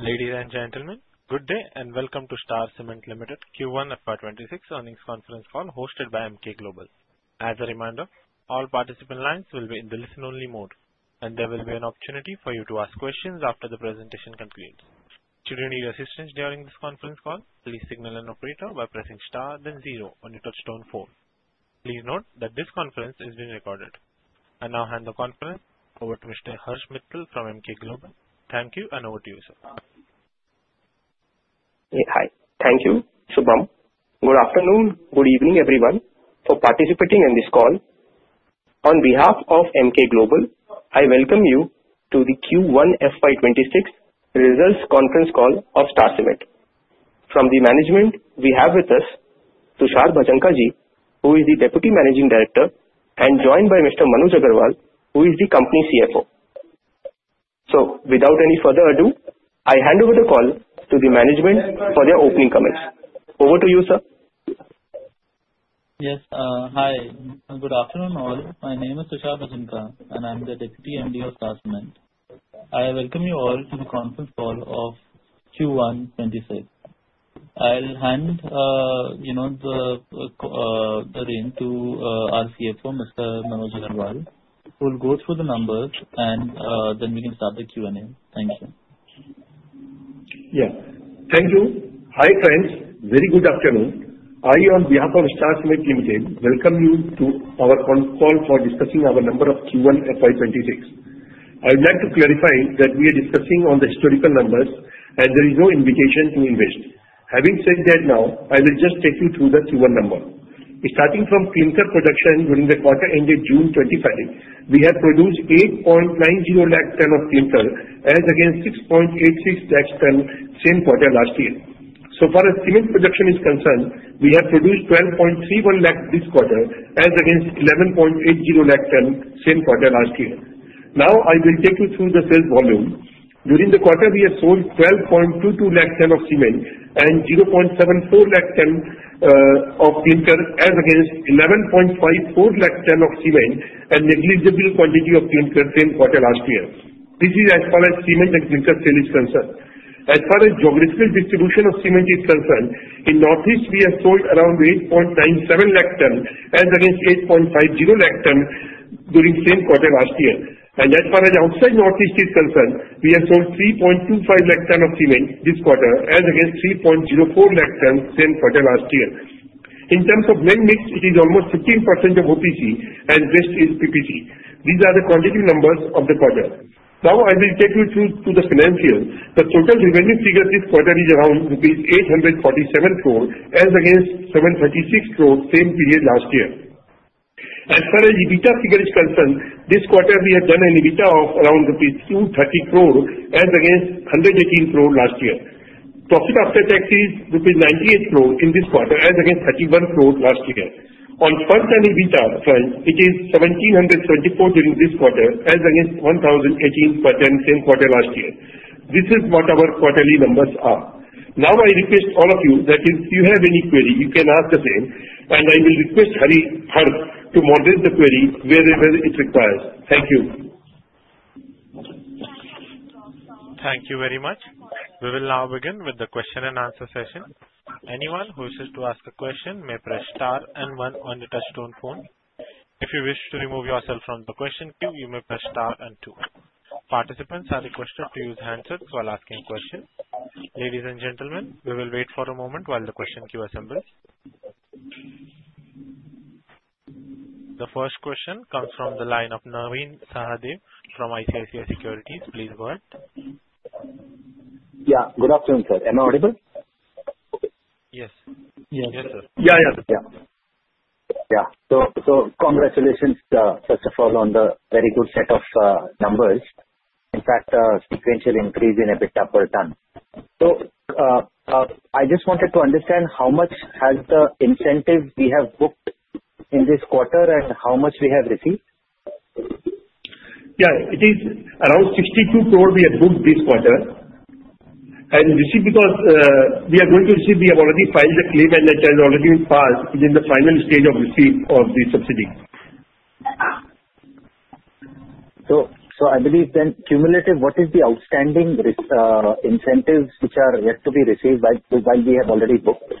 Ladies and gentlemen, good day and welcome to Star Cement Limited Q1 FY 2026 Earnings Conference Call hosted by Emkay Global. As a reminder, all participant lines will be in the listen-only mode, and there will be an opportunity for you to ask questions after the presentation concludes. Should you need assistance during this conference call, please signal an operator by pressing star, then zero on your touch-tone phone. Please note that this conference is being recorded. I now hand the conference over to Mr. Harsh Mittal from Emkay Global. Thank you, and over to you, sir. Hi. Thank you, Shubham. Good afternoon, good evening, everyone, for participating in this call. On behalf of Emkay Global, I welcome you to the Q1 FY 2026 results conference call of Star Cement. From the management, we have with us Tushar Bhajanka Ji, who is the Deputy Managing Director, and joined by Mr. Manoj Agarwal, who is the company CFO. So, without any further ado, I hand over the call to the management for their opening comments. Over to you, sir. Yes. Hi. Good afternoon, all. My name is Tushar Bhajanka, and I'm the Deputy MD of Star Cement. I welcome you all to the conference call of Q1 FY 2026. I'll hand over to our CFO, Mr. Manoj Agarwal, who will go through the numbers, and then we can start the Q&A. Thank you. Yes. Thank you. Hi, friends. Very good afternoon. I, on behalf of Star Cement Limited, welcome you to our conference call for discussing our number of Q1 FY 2026. I would like to clarify that we are discussing on the historical numbers, and there is no invitation to invest. Having said that, now, I will just take you through the Q1 number. Starting from clinker production during the quarter-ended June 25, we have produced 8.90 lakh ton of clinker as against 6.86 lakh ton same quarter last year. So far, as cement production is concerned, we have produced 12.31 lakh ton this quarter as against 11.80 lakh ton same quarter last year. Now, I will take you through the sales volume. During the quarter, we have sold 12.22 lakh ton of cement and 0.74 lakh ton of clinker as against 11.54 lakh ton of cement, a negligible quantity of clinker same quarter last year. This is as far as cement and clinker sale is concerned. As far as geographical distribution of cement is concerned, in Northeast, we have sold around 8.97 lakh ton as against 8.50 lakh ton during the same quarter last year. And as far as outside Northeast is concerned, we have sold 3.25 lakh ton of cement this quarter as against 3.04 lakh ton same quarter last year. In terms of blend mix, it is almost 15% of OPC, and rest is PPC. These are the quantitative numbers of the quarter. Now, I will take you through to the financials. The total revenue figure this quarter is around 847 crore rupees as against 736 crore same period last year. As far as EBITDA figure is concerned, this quarter, we have done an EBITDA of around 230 crore rupees as against 118 crore last year. Profit after tax is 98 crore rupees in this quarter as against 31 crore last year. On firsthand EBITDA, front, it is 1,774 during this quarter as against 1,018 same quarter last year. This is what our quarterly numbers are. Now, I request all of you that if you have any query, you can ask the same, and I will request Harsh to moderate the query wherever it requires. Thank you. Thank you very much. We will now begin with the question and answer session. Anyone who wishes to ask a question may press star and one on your touch-tone phone. If you wish to remove yourself from the question queue, you may press star and two. Participants are requested to use handsets while asking questions. Ladies and gentlemen, we will wait for a moment while the question queue assembles. The first question comes from the line of Navin Sahadeo from ICICI Securities. Please go ahead. Yeah. Good afternoon, sir. Am I audible? Yes. Yes. Yes, sir. So congratulations, first of all, on the very good set of numbers. In fact, sequential increase in EBITDA per ton. So I just wanted to understand how much has the incentive we have booked in this quarter and how much we have received? Yeah. It is around 62 crore we have booked this quarter, and this is because we have already filed a claim, and that has already been filed. It is in the final stage of receipt of the subsidy. So I believe then cumulative, what is the outstanding incentives which are yet to be received while we have already booked?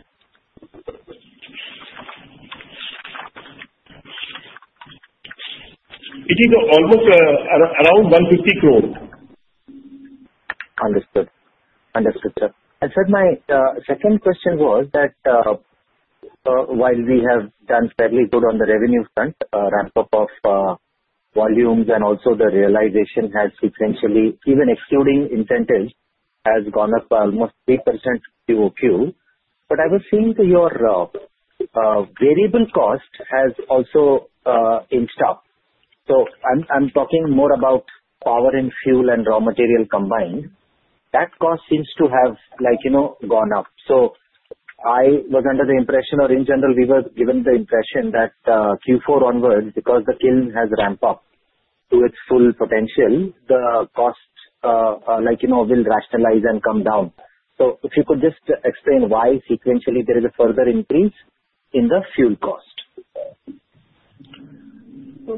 It is almost around 150 crore. Understood. Understood, sir. I said my second question was that while we have done fairly good on the revenue front, ramp-up of volumes and also the realization has sequentially, even excluding incentives, has gone up by almost 3% QoQ. But I was seeing your variable cost has also increased. So I'm talking more about power and fuel and raw material combined. That cost seems to have gone up. So I was under the impression, or in general, we were given the impression that Q4 onwards, because the kiln has ramped up to its full potential, the cost will rationalize and come down. So if you could just explain why sequentially there is a further increase in the fuel cost. No. I mean, maybe just a yeah. Yeah. Start with you, yeah. Yeah. So I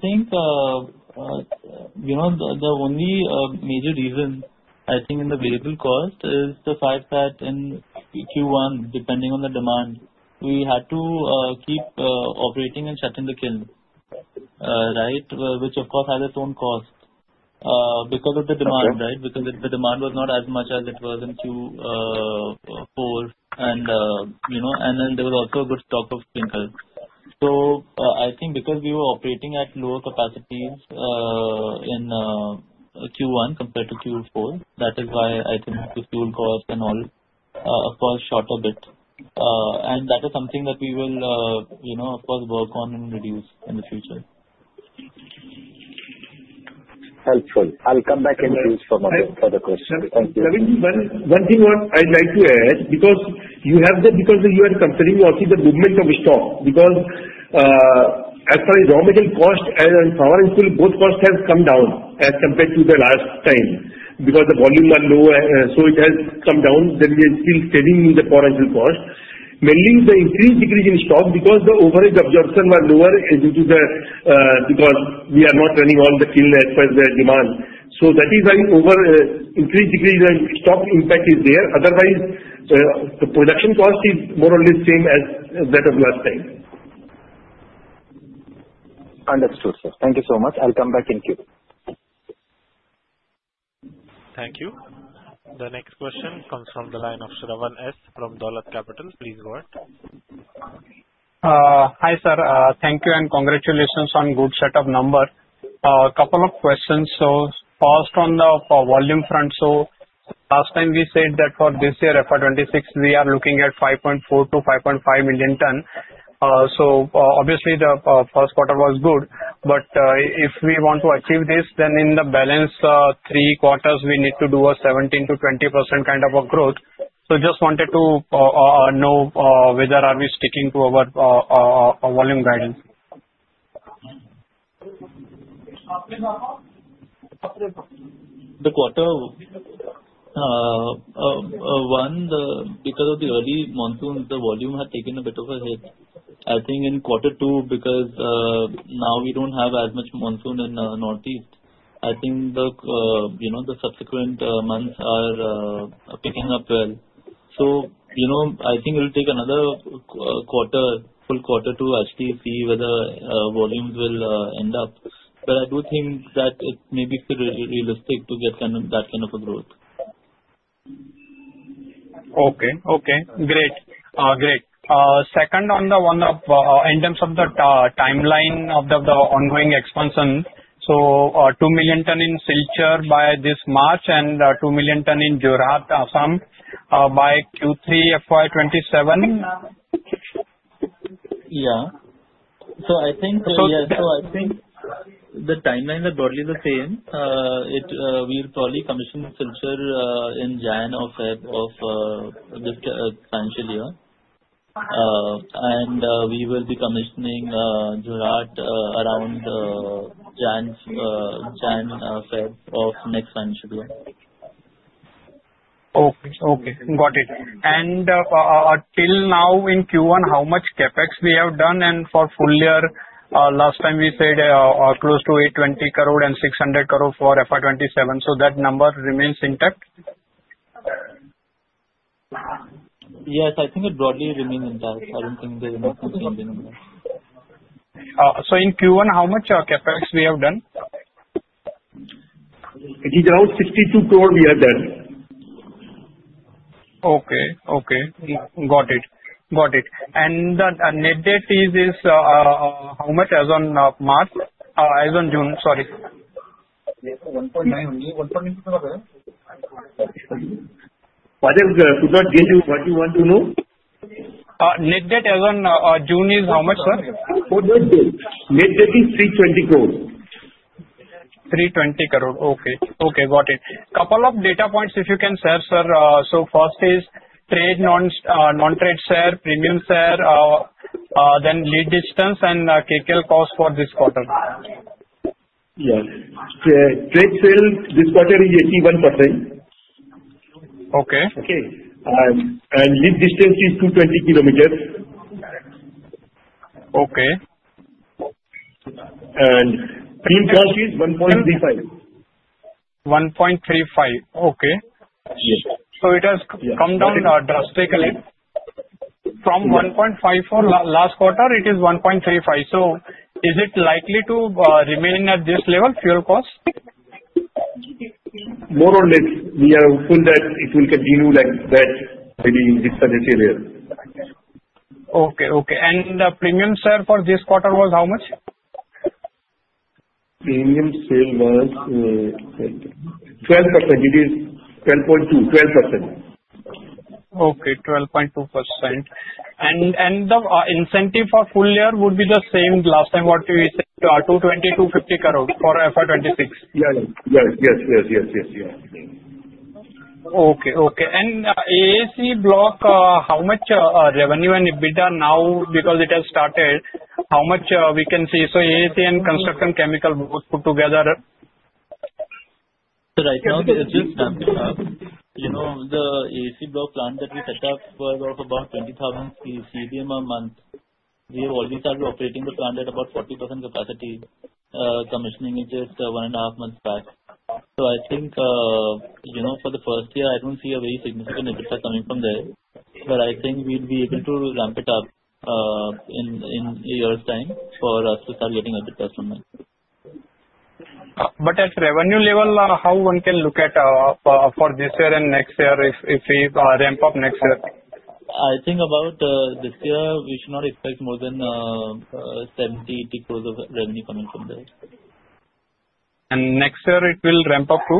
think the only major reason, I think, in the variable cost is the fact that in Q1, depending on the demand, we had to keep operating and shutting the kiln, right, which of course has its own cost because of the demand, right, because the demand was not as much as it was in Q4. And then there was also a good stock of clinkers. So I think because we were operating at lower capacities in Q1 compared to Q4, that is why I think the fuel cost and all, of course, shot a bit. And that is something that we will, of course, work on and reduce in the future. Helpful. I'll come back and use for the question. Thank you. One thing I'd like to add because you are considering also the movement of stock because as far as raw material cost and power and fuel, both costs have come down as compared to the last time because the volume was lower, so it has come down. Then we are still saving in the power and fuel cost. Mainly, the increase decrease in stock because the overhead absorption was lower due to we are not running all the kiln as per the demand. So that is why increase decrease in stock impact is there. Otherwise, the production cost is more or less same as that of last time. Understood, sir. Thank you so much. I'll come back and queue. Thank you. The next question comes from the line of Shravan S from Dolat Capital. Please go ahead. Hi, sir. Thank you and congratulations on good set of numbers. A couple of questions. So first on the volume front, so last time we said that for this year FY 2026, we are looking at 5.4 million-5.5 million ton. So obviously, the first quarter was good. But if we want to achieve this, then in the balance three quarters, we need to do a 17%-20% kind of a growth. So just wanted to know whether are we sticking to our volume guidance. The quarter one, because of the early monsoon, the volume has taken a bit of a hit. I think in quarter two, because now we don't have as much monsoon in Northeast, I think the subsequent months are picking up well, so I think it'll take another quarter, full quarter to actually see whether volumes will end up, but I do think that it may be realistic to get that kind of a growth. Second, on the one hand, in terms of the timeline of the ongoing expansion, so 2 million ton in Silchar by this March and 2 million ton in Jorhat, Assam by Q3 FY 2027. Yeah. So I think. So yeah. I think the timeline is probably the same. We'll probably commission Silchar in January or February of this financial year. We will be commissioning Jorhat around January February of next financial year. Okay. Got it. And till now in Q1, how much CapEx we have done? And for full year, last time we said close to 820 crore and 600 crore for FY 2027. So that number remains intact? Yes. I think it broadly remains intact. I don't think there's anything changing in there. In Q1, how much CapEx we have done? It is around INR 62 crore we have done. Okay. Okay. Got it. Got it. And the net debt is how much as on March? As on June, sorry. Yes. 1.9 only. 1.9. Should not get you what you want to know? Net debt as on June is how much, sir? Net debt is 320 crore. 320 crore. Okay. Okay. Got it. Couple of data points, if you can share, sir. So first is trade, non-trade share, premium share, then lead distance, and Kcal cost for this quarter. Yes. Trade sale this quarter is 81%. Okay. Okay. And lead distance is 220 km. Okay. Premium cost is 1.35. 1.35. Okay. So it has come down drastically from 1.54 last quarter. It is 1.35. So is it likely to remain at this level, fuel cost? More or less, we are hoping that it will continue like that in this financial year. Okay. Okay. And the premium share for this quarter was how much? Premium sale was 12%. It is 12.2%, 12%. Okay. 12.2%. And the incentive for full year would be the same last time what we said, INR 220 crore-INR 250 crore for FY 2026? Yeah. Yeah. Yes. Yes. Yes. Yes. Yes. Okay. And AAC Block, how much revenue and EBITDA now, because it has started, how much we can see? So AAC and construction chemical both put together? So right now, at this time, the AAC block plant that we set up was of about 20,000 CBM a month. We have always started operating the plant at about 40% capacity. Commissioning is just one and a half months back. So I think for the first year, I don't see a very significant EBITDA coming from there. But I think we'll be able to ramp it up in a year's time for us to start getting EBITDA from it. But at revenue level, how one can look at for this year and next year if we ramp up next year? I think about this year, we should not expect more than 70 crore-80 crore of revenue coming from there. Next year, it will ramp up to?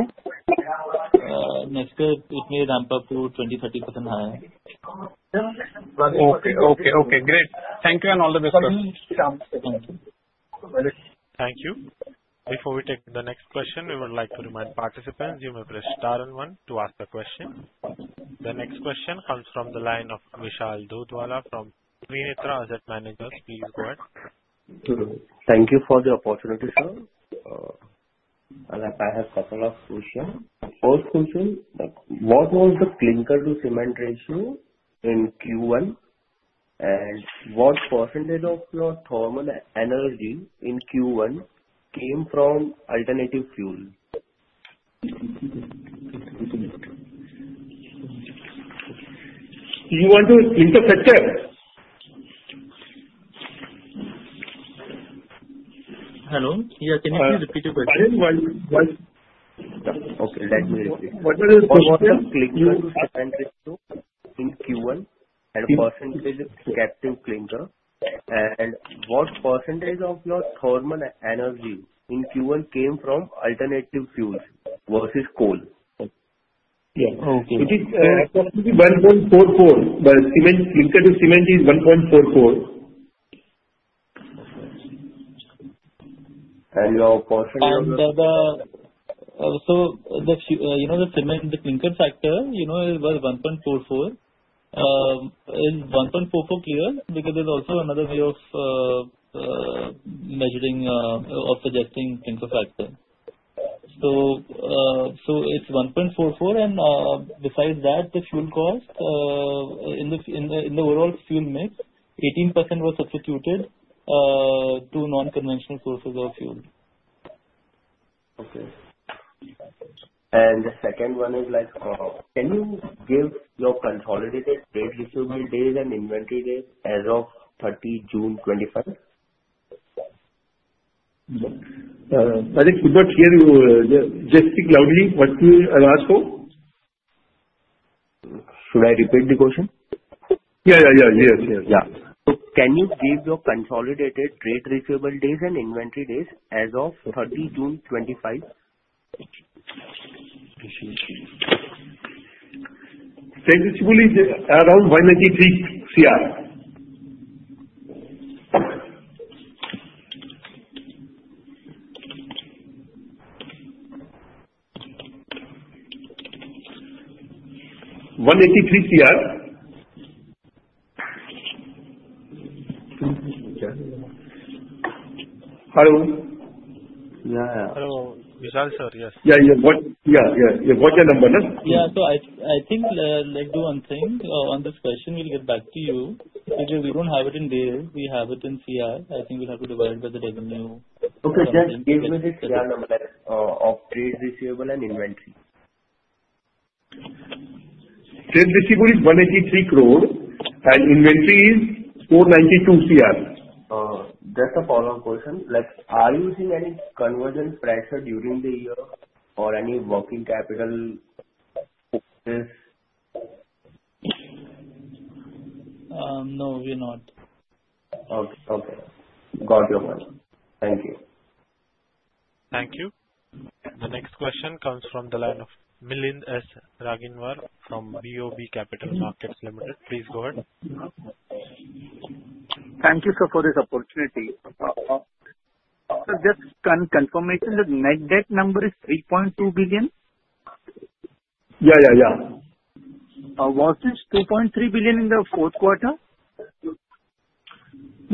Next year, it may ramp up to 20%-30% higher. Okay. Okay. Great. Thank you and all the best, sir. Thank you. Thank you. Before we take the next question, we would like to remind participants, you may press star and one to ask a question. The next question comes from the line of Vishal Dudhwala from Trinetra Asset Managers. Please go ahead. Thank you for the opportunity, sir. I have a couple of questions. First question, what was the clinker-to-cement ratio in Q1? And what percentage of your thermal energy in Q1 came from alternative fuel? You want to intercept there? Hello? Yeah. Can you please repeat your question? Okay. Let me repeat. What was the clinker-to-cement ratio in Q1 and percentage of captive clinker? And what percentage of your thermal energy in Q1 came from alternative fuels versus coal? Yes. It is 1.44. The clinker-to-cement is 1.44. Your percentage of? Also the clinker factor was 1.44. It's 1.44 clear because there's also another way of measuring or suggesting clinker factor. It's 1.44. Besides that, the fuel cost, in the overall fuel mix, 18% was substituted to non-conventional sources of fuel. Okay. And the second one is, can you give your consolidated trade receivable days and inventory days as of 30 June 2025? But here, just speak loudly what you have asked for. Should I repeat the question? Yeah. Yeah. Yeah. Yeah. So can you give your consolidated trade receivable days and inventory days as of 30 June 2025? Trade receivables is around INR 193 Cr. INR 183 Cr. Hello? Yeah. Yeah. Hello. Vishal sir, yes. Yeah. What's your number, sir? Yeah. So I think let's do one thing. On this question, we'll get back to you. Because we don't have it in days, we have it in Cr. I think we'll have to divide it by the revenue. Okay. Just give me the CR number of trade receivable and inventory? Trade receivable is 183 crore and inventory is 492 crore. Just a follow-up question. Are you seeing any cost pressure during the year or any working capital? No. We are not. Okay. Got your point. Thank you. Thank you. The next question comes from the line of Milind Raginwar from BOB Capital Markets Limited. Please go ahead. Thank you, sir, for this opportunity. Sir, just a confirmation, the net debt number is 3.2 billion? Yeah. Yeah. Yeah. Was it 2.3 billion in the fourth quarter? No.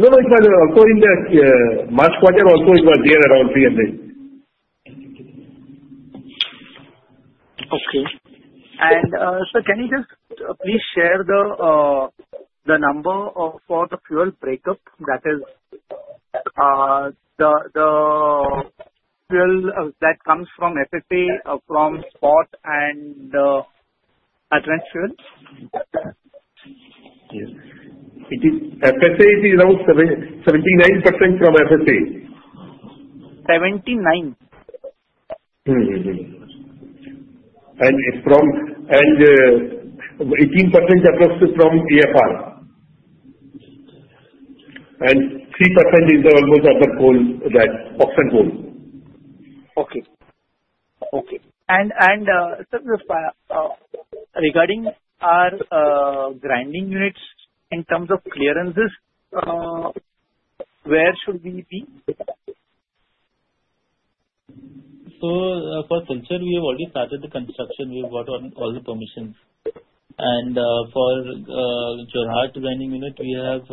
No. It was so in the March quarter also. It was there around INR 300. Okay, and sir, can you just please share the number for the fuel breakup, that is, the fuel that comes from FSA from spot and alternative fuel? It is FSA is around 79% from FSA. 79%? 18% across from AFR. 3% is almost all of the coal, that local coal. Okay. And sir, regarding our grinding units, in terms of clearances, where should we be? For Silchar, we have already started the construction. We've got all the permissions. For Jorhat grinding unit, we have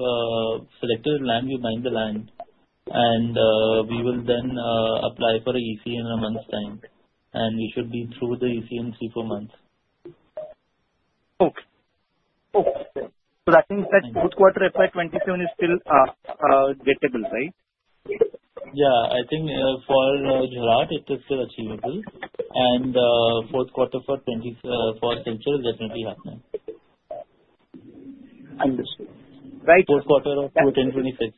selected land. We bought the land. We will then apply for EC in a month's time. We should be through the EC in 3 months-4 months. Okay. Okay. So I think that fourth quarter FY 2027 is still gettable, right? Yeah. I think for Jorhat, it is still achievable, and fourth quarter for Silchar is definitely happening. Understood. Right. Fourth quarter of 2026, it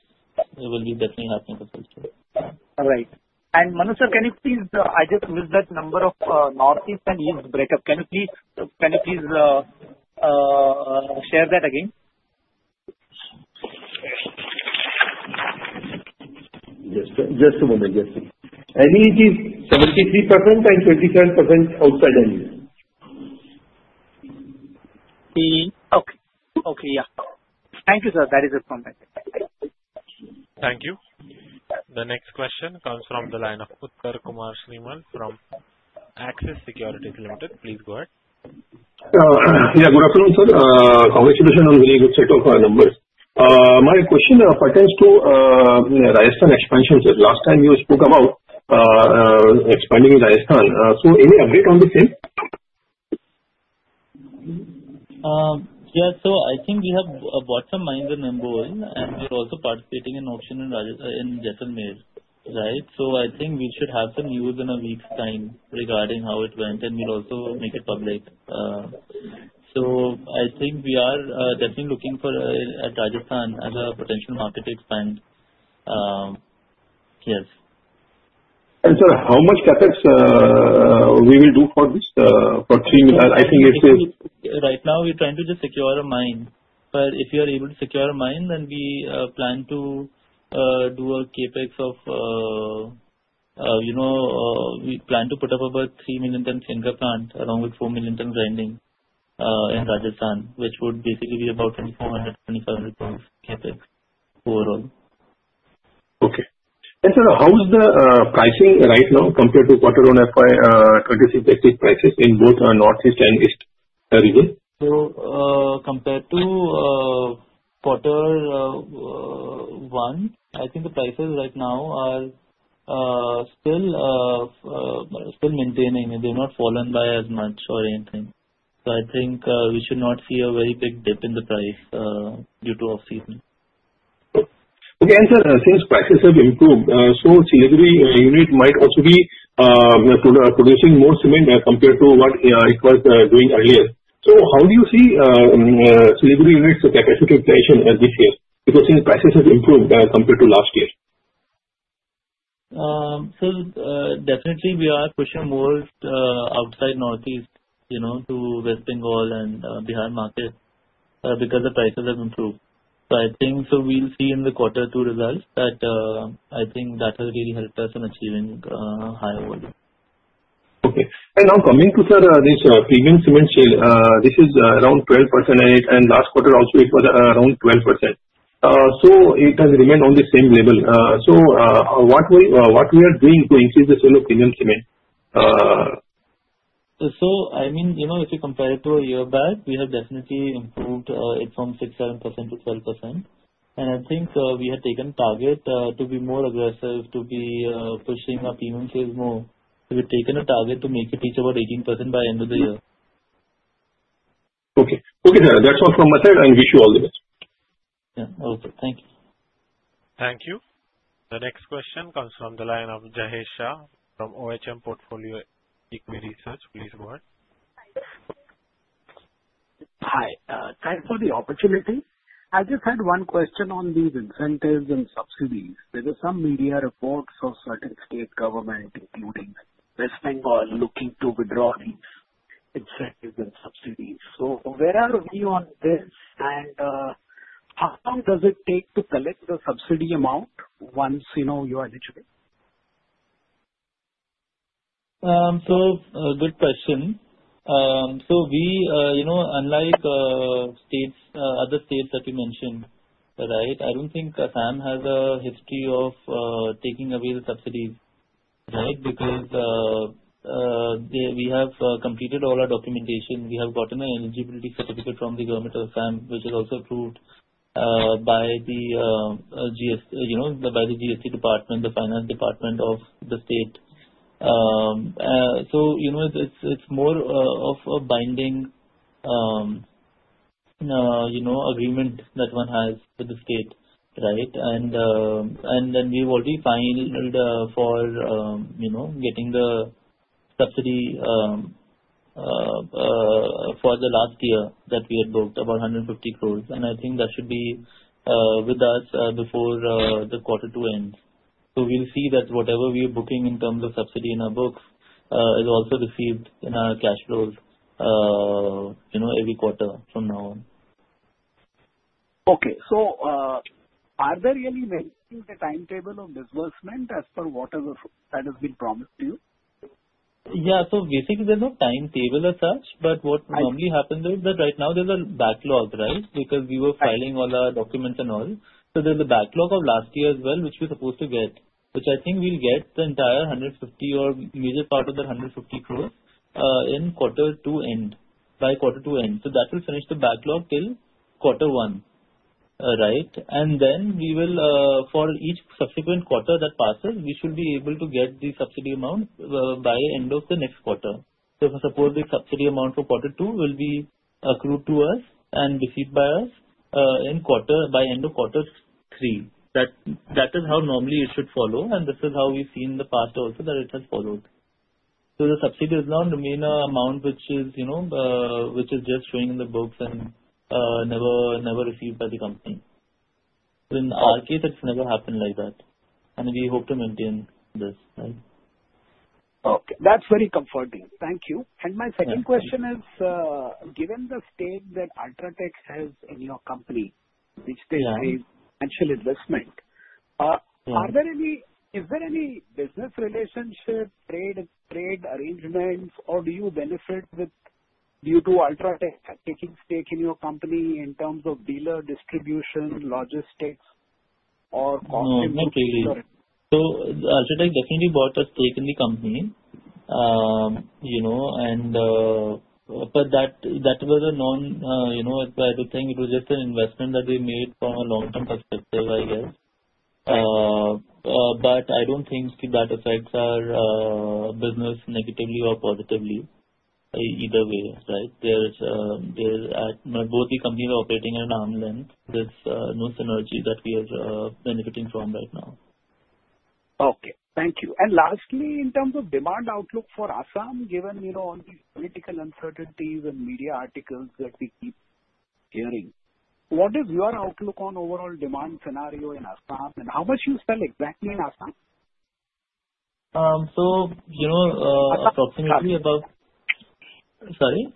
will be definitely happening for Silchar. Right. And Manoj sir, can you please? I just missed that number of Northeast and East breakup. Can you please share that again? Yes. Just a moment. Yes. I think is 73% and 27% outside India. Okay. Yeah. Thank you, sir. That is it from my side. Thank you. The next question comes from the line of Uttam Kumar Srimal from Axis Securities. Please go ahead. Yeah. Good afternoon, sir. Congratulations on the very good set of numbers. My question pertains to Rajasthan expansion, sir. Last time, you spoke about expanding in Rajasthan. So any update on the same? Yeah. So I think we have bought some mines in Nimbol, and we're also participating in auction in Jaisalmer, right? So I think we should have some news in a week's time regarding how it went, and we'll also make it public. So I think we are definitely looking at Rajasthan as a potential market to expand. Yes. And sir, how much CapEX we will do for this for 3 million? I think it is. Right now, we're trying to just secure a mine, but if we are able to secure a mine, then we plan to do a CapEx. We plan to put up about three million tonne clinker plant along with four million tonne grinding in Rajasthan, which would basically be about INR 2,400 crore- INR2,500 crore CapEx overall. Okay. And sir, how is the pricing right now compared to quarter one, FY 2026, exit prices in both Northeast and East region? So compared to quarter one, I think the prices right now are still maintaining. They've not fallen by as much or anything. So I think we should not see a very big dip in the price due to off-season. Okay. And, sir, since prices have improved, the Silchar unit might also be producing more cement compared to what it was doing earlier. So how do you see the Silchar unit's capacity utilization this year? Because since prices have improved compared to last year. Sir, definitely, we are pushing more outside Northeast to West Bengal and Bihar market because the prices have improved. So I think we'll see in the quarter two results that I think that has really helped us in achieving higher volume. Okay, and now coming to, sir, this premium cement sale, this is around 12%, and last quarter also, it was around 12%. So it has remained on the same level. So what we are doing to increase the sale of premium cement? So I mean, if you compare it to a year back, we have definitely improved it from 6%-7% to 12%. And I think we had taken a target to be more aggressive, to be pushing our premium sales more. We've taken a target to make it reach about 18% by end of the year. Okay. Okay, sir. That's all from my side. I wish you all the best. Yeah. Okay. Thank you. Thank you. The next question comes from the line of Jayesh Shah from Ohm Portfolio Equi Research. Please go ahead. Hi. Thanks for the opportunity. I just had one question on these incentives and subsidies. There are some media reports of certain state government, including West Bengal, looking to withdraw these incentives and subsidies. So where are we on this? And how long does it take to collect the subsidy amount once you are eligible? So good question. So we, unlike other states that you mentioned, right, I don't think Assam has a history of taking away the subsidies, right? Because we have completed all our documentation. We have gotten an eligibility certificate from the government of Assam, which is also approved by the GST department, the finance department of the state. So it's more of a binding agreement that one has with the state, right? And then we've already filed for getting the subsidy for the last year that we had booked, about 150 crore. And I think that should be with us before the quarter two ends. So we'll see that whatever we are booking in terms of subsidy in our books is also received in our cash flows every quarter from now on. Okay, so are there really anything in the timetable of disbursement as per whatever that has been promised to you? Yeah. So basically, there's no timetable as such. But what normally happens is that right now, there's a backlog, right? Because we were filing all our documents and all. So there's a backlog of last year as well, which we're supposed to get, which I think we'll get the entire 150 crore or major part of the 150 crore in quarter two end, by quarter two end. So that will finish the backlog till quarter one, right? And then we will, for each subsequent quarter that passes, we should be able to get the subsidy amount by end of the next quarter. So suppose the subsidy amount for quarter two will be accrued to us and received by us by end of quarter three. That is how normally it should follow. And this is how we've seen in the past also that it has followed. So the subsidy does not remain an amount which is just showing in the books and never received by the company. In our case, it's never happened like that. And we hope to maintain this, right? Okay. That's very comforting. Thank you. And my second question is, given the stake that UltraTech has in your company, which they say is financial investment, is there any business relationship, trade arrangements, or do you benefit due to UltraTech taking stake in your company in terms of dealer distribution, logistics, or cost? Not really. UltraTech definitely bought a stake in the company. I don't think it was just an investment that they made from a long-term perspective, I guess. I don't think that affects our business negatively or positively either way, right? Both the companies are operating at an arm's length. There's no synergy that we are benefiting from right now. Okay. Thank you. And lastly, in terms of demand outlook for Assam, given all these political uncertainties and media articles that we keep hearing, what is your outlook on overall demand scenario in Assam? And how much you sell exactly in Assam? So approximately about, sorry?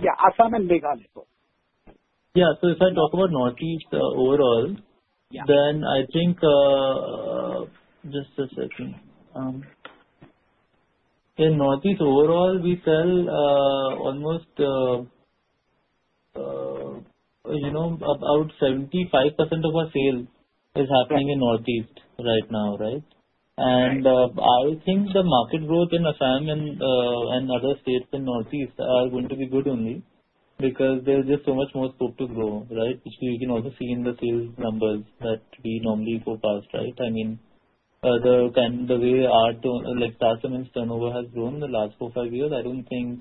Yeah. Assam and Bengal, I thought. Yeah. So if I talk about Northeast overall, then I think just a second. In Northeast overall, we sell almost about 75% of our sales is happening in Northeast right now, right? And I think the market growth in Assam and other states in Northeast are going to be good only because there's just so much more scope to grow, right? You can also see in the sales numbers that we normally go past, right? I mean, the way our customers' turnover has grown in the last four, five years, I don't think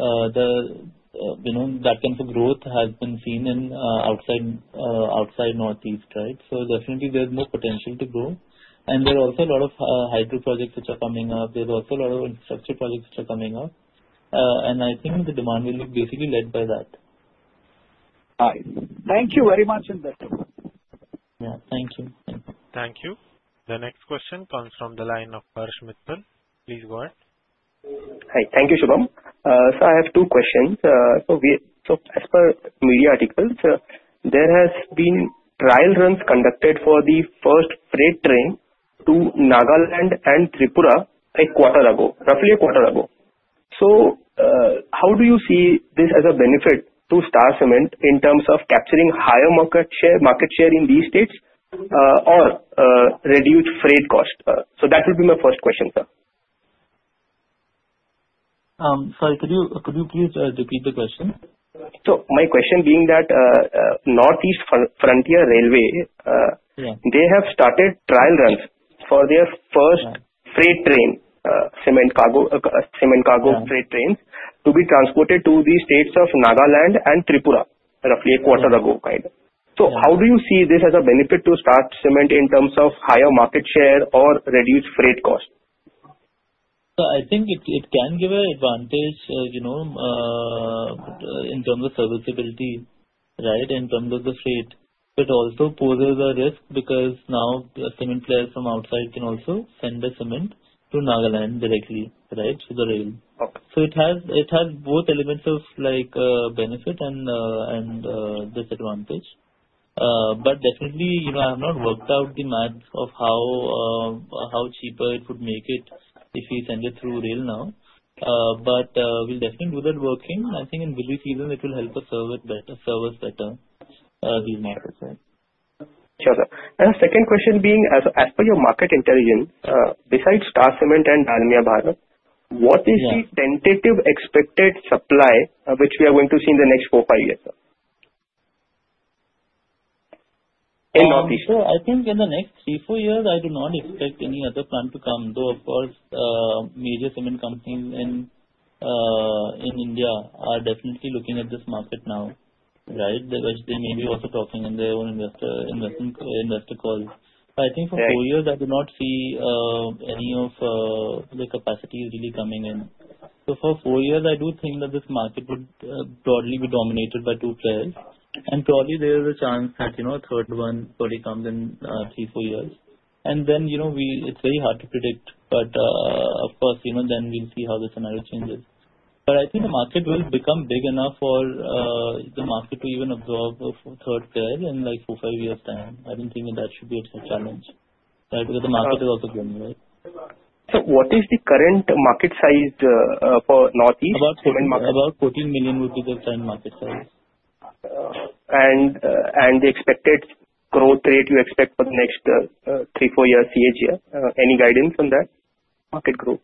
that kind of growth has been seen in outside Northeast, right? So definitely, there's more potential to grow. And there are also a lot of hydro projects which are coming up. There's also a lot of infrastructure projects which are coming up. And I think the demand will be basically led by that. All right. Thank you very much, sir, sir. Yeah. Thank you. Thank you. Thank you. The next question comes from the line of Harsh Mittal. Please go ahead. Hi. Thank you, Shubham. So I have two questions. So as per media articles, there has been trial runs conducted for the first freight train to Nagaland and Tripura a quarter ago, roughly a quarter ago. So how do you see this as a benefit to Star Cement in terms of capturing higher market share in these states or reduce freight cost? So that would be my first question, sir. Sorry. Could you please repeat the question? My question being that Northeast Frontier Railway, they have started trial runs for their first freight train, cement cargo freight trains, to be transported to the states of Nagaland and Tripura roughly a quarter ago kind of. How do you see this as a benefit to Star Cement in terms of higher market share or reduce freight cost? So I think it can give an advantage in terms of serviceability, right?, in terms of the freight. It also poses a risk because now cement players from outside can also send the cement to Nagaland directly, right?, through the rail. So it has both elements of benefit and disadvantage. But definitely, I have not worked out the math of how cheaper it would make it if we send it through rail now. But we'll definitely do that working. I think in busy season, it will help us service better these matters, right? Sure, sir. And the second question being, as per your market intelligence, besides Star Cement and Dalmia Bharat, what is the tentative expected supply which we are going to see in the next four, five years in Northeast? So I think in the next three, four years, I do not expect any other plant to come. Though, of course, major cement companies in India are definitely looking at this market now, right? They may be also talking in their own investor calls. But I think for four years, I do not see any of the capacity really coming in. So for four years, I do think that this market would broadly be dominated by two players. And probably, there is a chance that a third one probably comes in three, four years. And then it's very hard to predict. But of course, then we'll see how the scenario changes. But I think the market will become big enough for the market to even absorb a third player in like four, five years' time. I don't think that should be a challenge, right? Because the market is also growing, right? So what is the current market size for Northeast cement market? About 14 million would be the current market size. And the expected growth rate you expect for the next three, four years, CAGR? Any guidance on that market growth?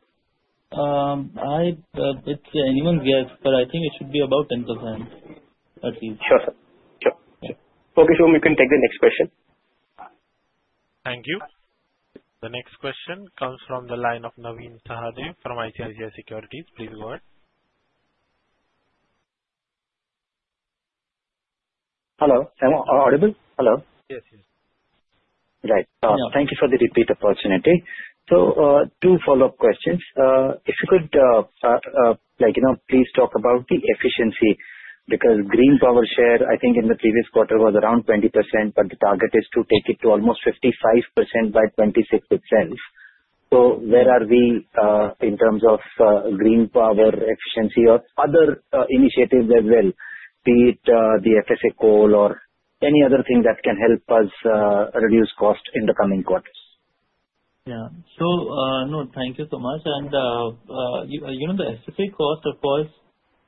It's anyone's guess. But I think it should be about 10% at least. Sure, sir. Sure. Okay, Shubham, you can take the next question. Thank you. The next question comes from the line of Navin Sahadeo from ICICI Securities. Please go ahead. Hello. Am I audible? Hello? Yes, yes. Right. Thank you for the repeat opportunity. So two follow-up questions. If you could please talk about the efficiency because green power share, I think in the previous quarter was around 20%, but the target is to take it to almost 55% by 26th itself. So where are we in terms of green power efficiency or other initiatives as well, be it the FSA call or any other thing that can help us reduce cost in the coming quarters? Yeah. So no, thank you so much. And the FSA cost, of course,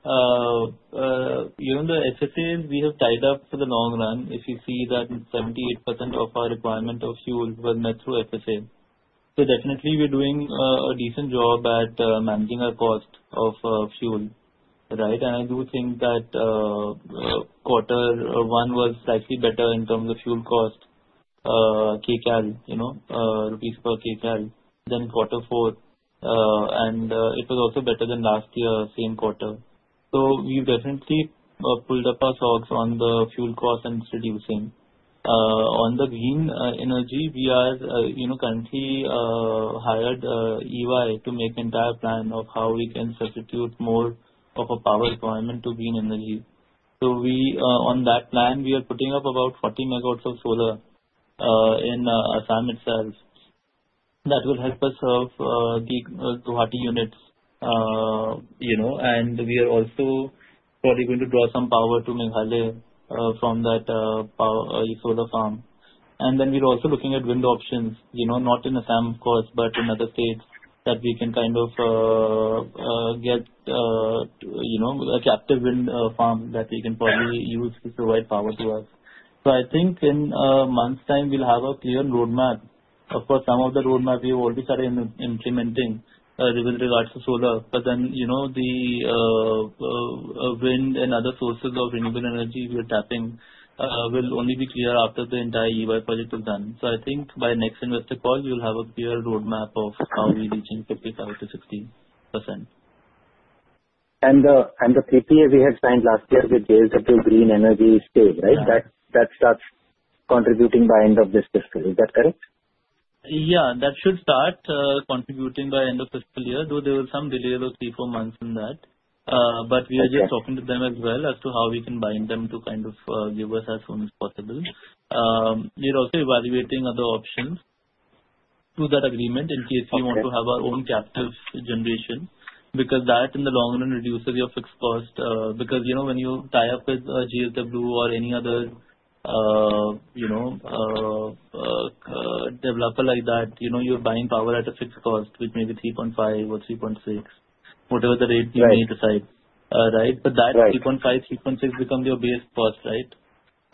the FSAs, we have tied up for the long run. If you see that 78% of our requirement of fuel was met through FSA. So definitely, we're doing a decent job at managing our cost of fuel, right? And I do think that quarter one was slightly better in terms of fuel cost, Kcal, rupees per Kcal, than quarter four. And it was also better than last year, same quarter. So we've definitely pulled up our socks on the fuel cost and distribution. On the green energy, we have currently hired EY to make an entire plan of how we can substitute more of a power requirement to green energy. So on that plan, we are putting up about 40 MW of solar in Assam itself. That will help us serve the Guwahati units. We are also probably going to draw some power to Meghalaya from that solar farm. Then we're also looking at wind options, not in Assam, of course, but in other states, that we can kind of get a captive wind farm that we can probably use to provide power to us. I think in a month's time, we'll have a clear roadmap. Of course, some of the roadmap, we've already started implementing with regards to solar. Then the wind and other sources of renewable energy we are tapping will only be clear after the entire EY project is done. I think by next investor call, we will have a clear roadmap of how we reach 55%-60%. And the PPA we had signed last year with JSW Green Energy state, right? That starts contributing by end of this fiscal. Is that correct? Yeah. That should start contributing by end of fiscal year. Though there was some delay of three, four months in that. But we are just talking to them as well as to how we can bind them to kind of give us as soon as possible. We're also evaluating other options to that agreement in case we want to have our own captive generation because that in the long run reduces your fixed cost. Because when you tie up with JSW or any other developer like that, you're buying power at a fixed cost, which may be 3.5 or 3.6, whatever the rate you may decide, right? But that 3.5, 3.6 becomes your base cost, right?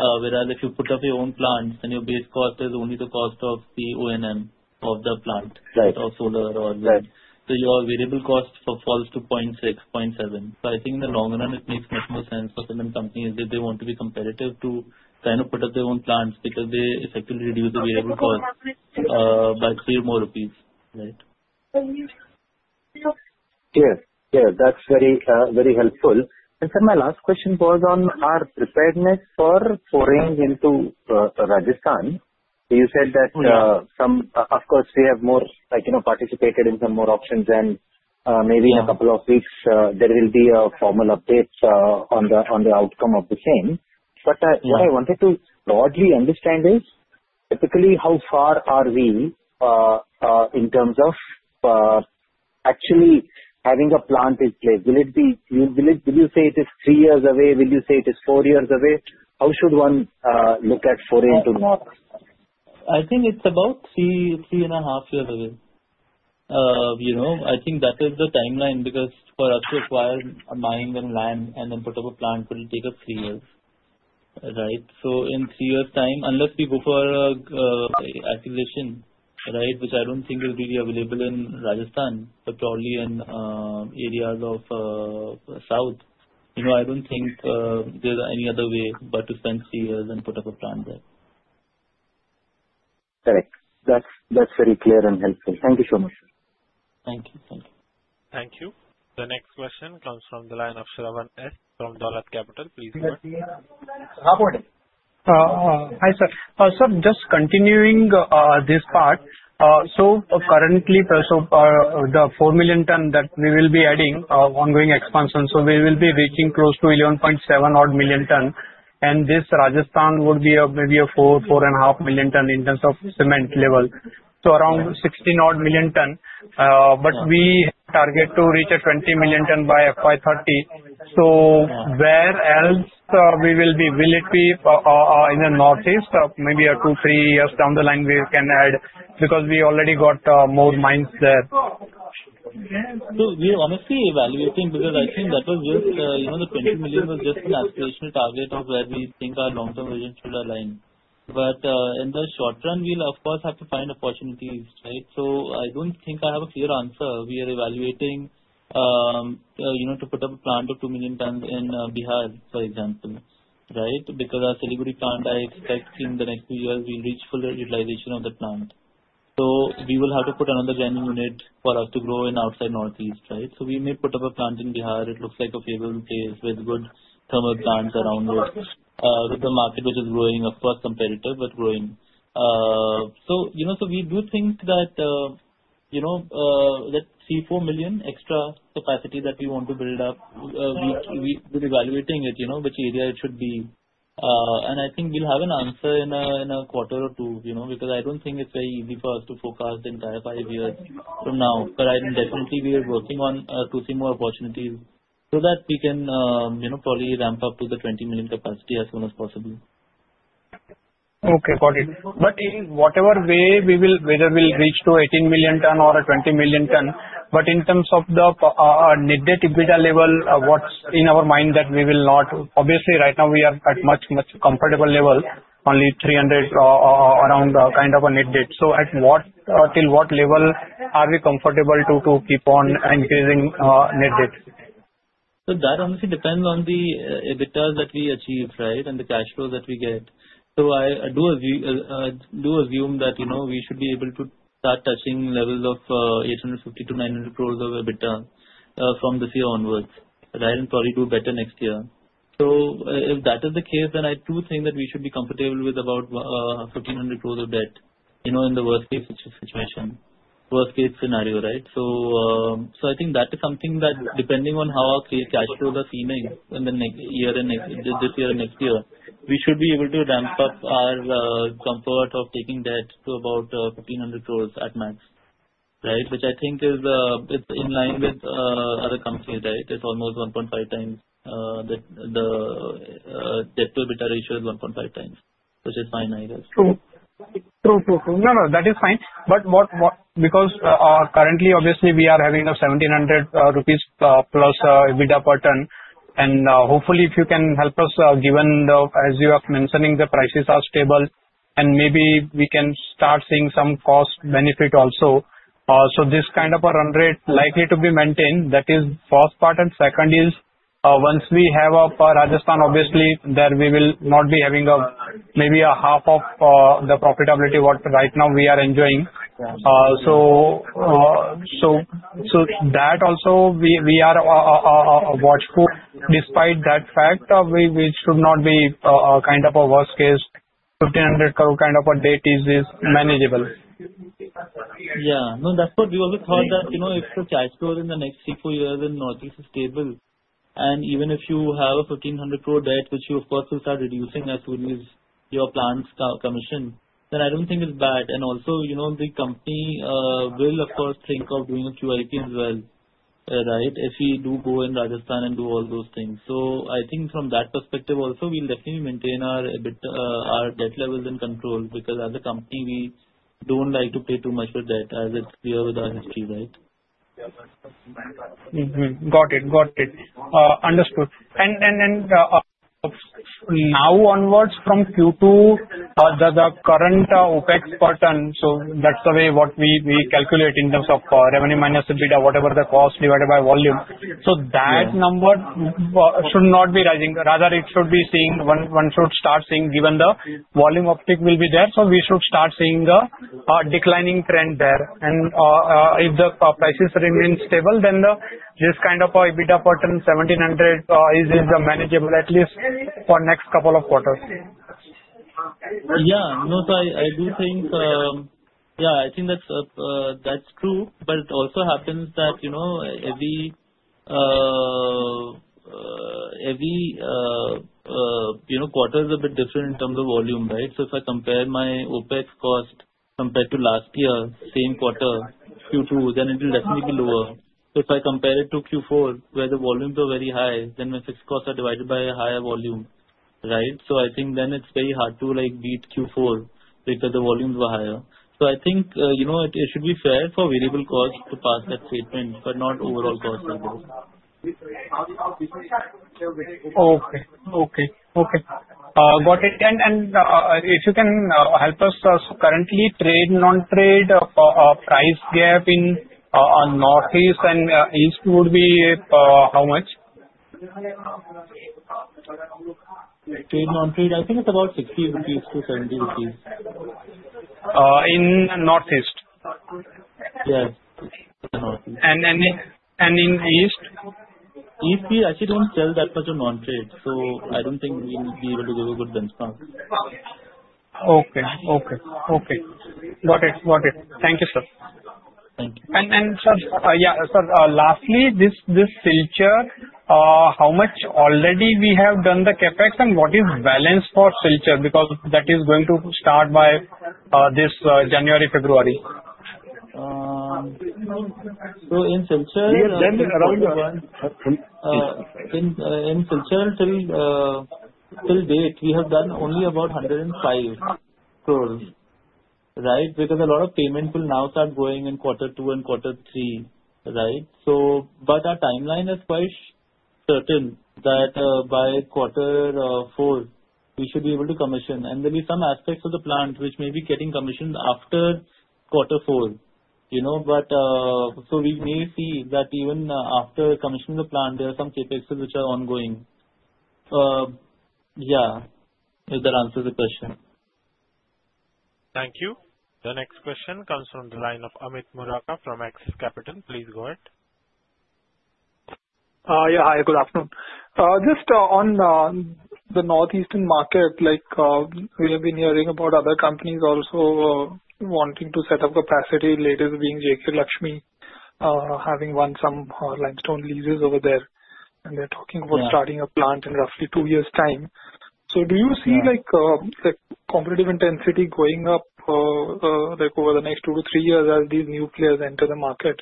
Whereas if you put up your own plants, then your base cost is only the cost of the O&M of the plant, of solar or wind. So your variable cost falls to 0.6, 0.7. So I think in the long run, it makes much more sense for cement companies if they want to be competitive to kind of put up their own plants because they effectively reduce the variable cost by 3 or more rupees, right? Yeah. Yeah. That's very helpful. And so my last question was on our preparedness for foraying into Rajasthan. You said that, of course, we have participated in some auctions. And maybe in a couple of weeks, there will be a formal update on the outcome of the same. But what I wanted to broadly understand is, typically, how far are we in terms of actually having a plant in place? Will it be? Will you say it is three years away? Will you say it is four years away? How should one look at foraying to? I think it's about three and a half years away. I think that is the timeline because for us to acquire mining and land and then put up a plant, it will take us three years, right? So in three years' time, unless we go for an acquisition, right, which I don't think is really available in Rajasthan, but probably in areas of south, I don't think there's any other way but to spend three years and put up a plant there. Correct. That's very clear and helpful. Thank you so much, sir. Thank you. Thank you. Thank you. The next question comes from the line of Shravan S from Dolat Capital. Please go ahead. Good afternoon. Hi, sir. So just continuing this part, so currently, the 4 million ton that we will be adding ongoing expansion. So we will be reaching close to 11.7-odd million tons. And this Rajasthan would be maybe a 4-4.5 million tons in terms of cement level. So around 16-odd million tons. But we target to reach a 20 million tons by FY 2030. So where else will we be? Will it be in the Northeast? Maybe two, three years down the line, we can add because we already got more mines there. We're honestly evaluating because I think that was just the 20 million was just an aspirational target of where we think our long-term vision should align. But in the short run, we'll, of course, have to find opportunities, right? I don't think I have a clear answer. We are evaluating to put up a plant of 2 million tons in Bihar, for example, right? Because our Siliguri plant, I expect in the next few years, we'll reach full utilization of the plant. We will have to put another grinding unit for us to grow outside Northeast, right? We may put up a plant in Bihar. It looks like a favorable place with good thermal plants around it, with the market which is growing, of course, competitive, but growing. We do think that 3-4 million extra capacity that we want to build up. We're evaluating it, which area it should be. I think we'll have an answer in a quarter or two because I don't think it's very easy for us to forecast the entire five years from now. I think definitely, we are working on two or three more opportunities so that we can probably ramp up to the 20 million capacity as soon as possible. Okay. Got it. But in whatever way, whether we'll reach to 18 million ton or a 20 million ton, but in terms of the net debt level, what's in our mind that we will not obviously, right now, we are at much, much comfortable level, only 300 around kind of a net debt. So until what level are we comfortable to keep on increasing net debt? That honestly depends on the EBITDA that we achieve, right, and the cash flow that we get. So I do assume that we should be able to start touching levels of 850 crore-900 crore of EBITDA from this year onwards, right, and probably do better next year. So if that is the case, then I do think that we should be comfortable with about 1,500 crore of debt in the worst-case situation, worst-case scenario, right? So I think that is something that, depending on how our cash flows are seeming in the year and this year and next year, we should be able to ramp up our comfort of taking debt to about 1,500 crore at max, right? Which I think is in line with other companies, right? It's almost 1.5x the debt-to-EBITDA ratio is 1.5x, which is fine, I guess. True. True, true, true. No, no, that is fine. But because currently, obviously, we are having 1,700 rupees plus EBITDA per ton. And hopefully, if you can help us, given as you are mentioning, the prices are stable, and maybe we can start seeing some cost-benefit also. So this kind of a run rate likely to be maintained. That is the first part. And second is, once we have Rajasthan, obviously, there we will not be having maybe half of the profitability what right now we are enjoying. So that also, we are watchful despite that fact of which should not be kind of a worst-case. 1,500 crore kind of a debt is manageable. Yeah. No, that's what we always thought that if the cash flow in the next three, four years in the Northeast is stable, and even if you have a 1,500 crore debt, which you, of course, will start reducing as soon as your plants commission, then I don't think it's bad. And also, the company will, of course, think of doing a QIP as well, right, if we do go in Rajasthan and do all those things. So I think from that perspective, also, we'll definitely maintain our debt levels in control because as a company, we don't like to pay too much for debt as it's clear with our history, right? Got it. Got it. Understood. And then now onwards from Q2, the current OpEx per ton, so that's the way what we calculate in terms of revenue minus EBITDA, whatever the cost divided by volume. So that number should not be rising. Rather, it should be seeing one should start seeing given the volume uptick will be there. So we should start seeing a declining trend there. And if the prices remain stable, then this kind of EBITDA per ton, INR 1,700 is manageable at least for next couple of quarters. Yeah. No, so I do think, yeah, I think that's true. But it also happens that every quarter is a bit different in terms of volume, right? So if I compare my OpEx cost compared to last year, same quarter, Q2, then it will definitely be lower. If I compare it to Q4, where the volumes were very high, then my fixed costs are divided by a higher volume, right? So I think then it's very hard to beat Q4 because the volumes were higher. So I think it should be fair for variable cost to pass that statement, but not overall cost. Okay. Got it. And if you can help us, currently, trade non-trade price gap in Northeast and East would be how much? Trade non-trade, I think it's about 60-70 rupees. In northeast? Yes, and in East? East, we actually don't sell that much of non-trade. So, I don't think we'll be able to give a good benchmark. Okay. Okay. Okay. Got it. Got it. Thank you, sir. Thank you. Sir, yeah, sir, lastly, this Silchar, how much already we have done the CapEx and what is balance for Silchar because that is going to start by this January, February? So in Silchar, around one. Silchar? In Silchar till date, we have done only about 105 crores, right? Because a lot of payments will now start going in quarter two and quarter three, right? But our timeline is quite certain that by quarter four, we should be able to commission, and there will be some aspects of the plant which may be getting commissioned after quarter four, but so we may see that even after commissioning the plant, there are some CapEx which are ongoing. Yeah. Does that answer the question? Thank you. The next question comes from the line of Amit Murarka from Axis Capital. Please go ahead. Yeah. Hi. Good afternoon. Just on the northeastern market, we have been hearing about other companies also wanting to set up capacity, latest being JK Lakshmi, having won some limestone leases over there. And they're talking about starting a plant in roughly two years' time. So do you see the competitive intensity going up over the next two to three years as these new players enter the market?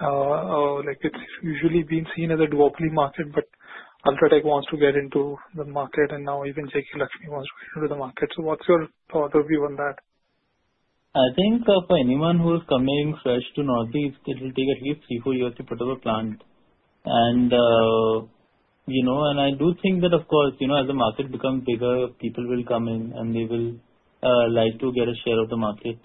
It's usually been seen as a duopoly market, but UltraTech wants to get into the market, and now even JK Lakshmi wants to get into the market. So what's your thought or view on that? I think for anyone who's coming fresh to Northeast, it will take at least three, four years to put up a plant. And I do think that, of course, as the market becomes bigger, people will come in, and they will like to get a share of the market.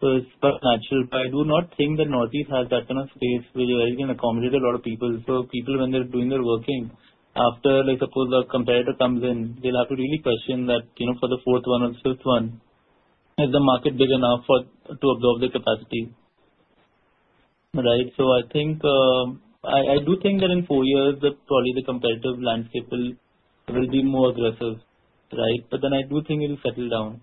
So it's quite natural. But I do not think that Northeast has that kind of space where you can accommodate a lot of people. So people, when they're doing their working, after, suppose, a competitor comes in, they'll have to really question that for the fourth one or the fifth one, is the market big enough to absorb the capacity, right? So I do think that in four years, probably the competitive landscape will be more aggressive, right? But then I do think it will settle down,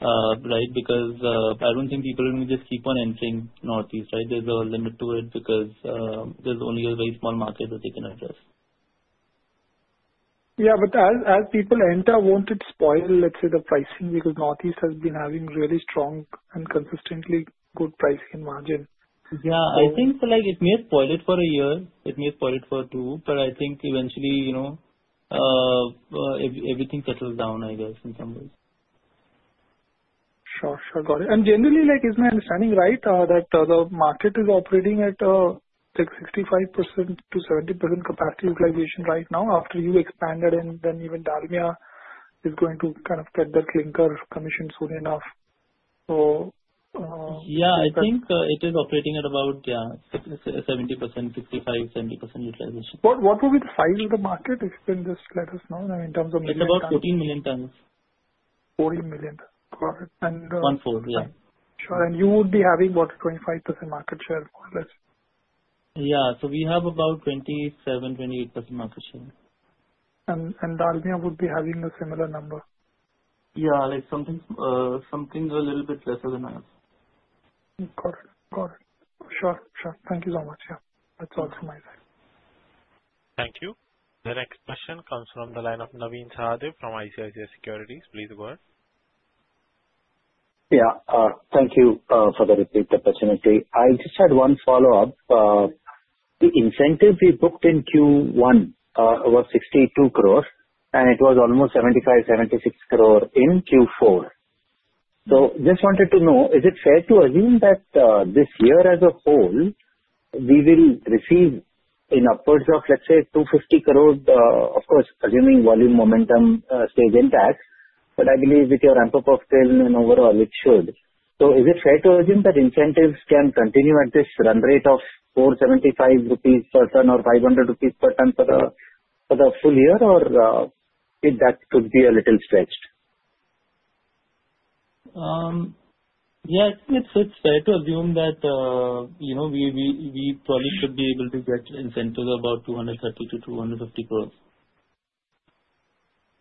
right? Because I don't think people are going to just keep on entering Northeast, right? There's a limit to it because there's only a very small market that they can address. Yeah, but as people enter, won't it spoil, let's say, the pricing because Northeast has been having really strong and consistently good pricing and margin? Yeah. I think it may spoil it for a year. It may spoil it for two. But I think eventually, everything settles down, I guess, in some ways. Sure. Sure. Got it. And generally, is my understanding right that the market is operating at 65%-70% capacity utilization right now after you expanded, and then even Dalmia is going to kind of get their clinker commissioned soon enough? Yeah. I think it is operating at about, yeah, 70%, 65%-70% utilization. What will be the size of the market? If you can just let us know in terms of. It's about 14 million tons. 14 million. Got it. And. 1/4, yeah. Sure. And you would be having about 25% market share, more or less? Yeah, so we have about 27%-28% market share. Dalmia would be having a similar number? Yeah. Something a little bit lesser than us. Got it. Got it. Sure. Sure. Thank you so much. Yeah. That's all from my side. Thank you. The next question comes from the line of Navin Sahadeo from ICICI Securities. Please go ahead. Yeah. Thank you for the repeat opportunity. I just had one follow-up. The incentive we booked in Q1 was 62 crores, and it was almost 75 crore-76 crore in Q4. So just wanted to know, is it fair to assume that this year, as a whole, we will receive in upwards of, let's say, 250 crores? Of course, assuming volume momentum stays intact. But I believe with your ample portfolio and overall, it should. So is it fair to assume that incentives can continue at this run rate of 475 rupees per ton or 500 rupees per ton for the full year, or that could be a little stretched? Yeah. I think it's fair to assume that we probably should be able to get incentives about 230 crore-250 crores.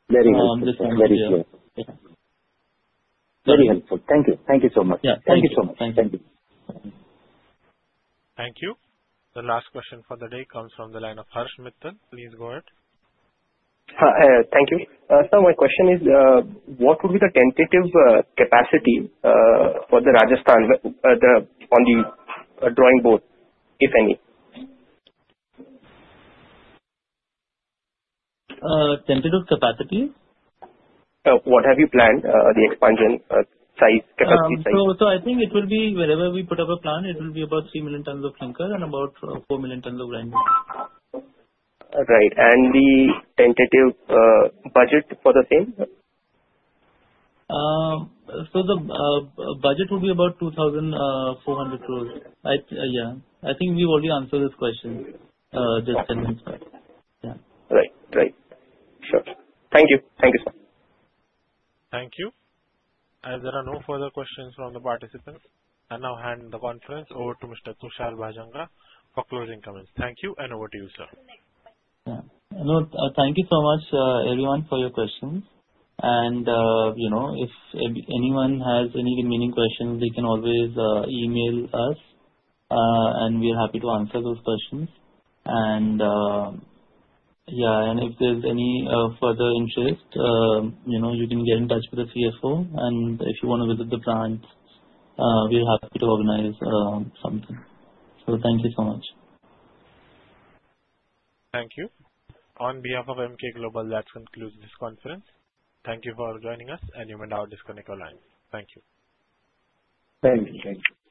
Very helpful. Very clear. Very helpful. Thank you. Thank you so much. Thank you so much. Thank you. Thank you. The last question for the day comes from the line of Harsh Mittal. Please go ahead. Thank you. So my question is, what would be the tentative capacity for the Rajasthan on the drawing board, if any? Tentative capacity? What have you planned, the expansion size, capacity size? So I think it will be wherever we put up a plan, it will be about 3 million tons of clinker and about 4 million tons of granular. Right. And the tentative budget for the same? So the budget will be about 2,400 crores. Yeah. I think we've already answered this question. Just telling you. Yeah. Right. Right. Sure. Thank you. Thank you, sir. Thank you, and there are no further questions from the participants. I now hand the conference over to Mr. Tushar Bhajanka for closing comments. Thank you, and over to you, sir. Thank you so much, everyone, for your questions. And if anyone has any remaining questions, they can always email us, and we're happy to answer those questions. And yeah. And if there's any further interest, you can get in touch with the CFO. And if you want to visit the plant, we're happy to organize something. So thank you so much. Thank you. On behalf of Emkay Global, that concludes this conference. Thank you for joining us, and you may now disconnect your line. Thank you. Thank you. Thank you.